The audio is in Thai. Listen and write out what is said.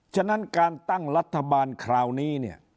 ฉะนั้นการตั้งรัฐบาลคราวนี้เนี่ย